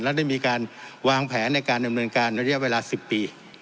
และได้มีการวางแผนในการดำเนินการระยะเวลา๑๐ปี